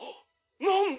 なんだ⁉」